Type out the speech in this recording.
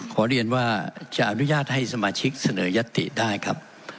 ขอเรียนว่าจะอนุญาตให้สมาชิกเสนอยัตติได้ครับ